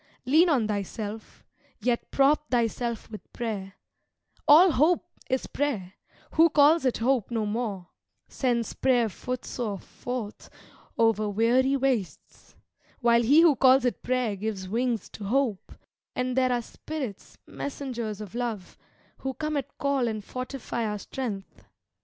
Lean on thyself, yet prop thyself with prayer, (All hope is prayer; who calls it hope no more, Sends prayer footsore forth over weary wastes, While he who calls it prayer gives wings to hope,) And there are spirits, messengers of Love, Who come at call and fortify our strength.